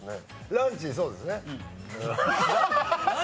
ランチ、どうですね。